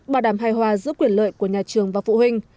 bảo đảm hài hòa giữa quyền lợi của nhà trường và phụ huynh